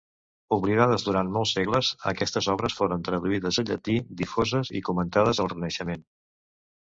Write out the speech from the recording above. Oblidades durant molts segles, aquestes obres foren traduïdes al llatí, difoses i comentades al Renaixement.